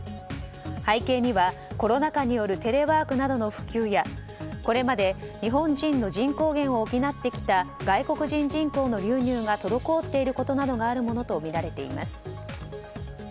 背景にはコロナ禍によるテレワークなどの普及やこれまで日本人の人口減を補ってきた外国人人口の流入が滞っていることなどがあるものとみられています。